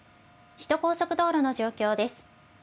首都高速道路の状況です。